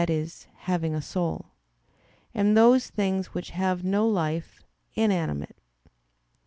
e. having a soul] and those things which have no life, "inanimate."